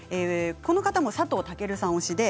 この方も佐藤健さん推しです。